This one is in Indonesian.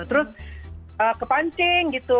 terus kepancing gitu